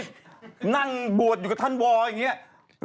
ผมไปนั่งบัตรอยู่กับท่านวอสอาทิตย์อย่างนี้